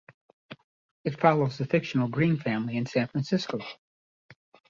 It follows the fictional Green family in San Francisco.